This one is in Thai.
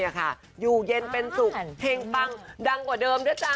อยู่เย็นเป็นสุขเพลงปังดังกว่าเดิมด้วยจ้า